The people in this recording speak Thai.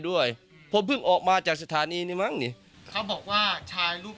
ด้วยผมเพิ่งออกมาจากสถานีนี่มั้งนี่เขาบอกว่าชายรูป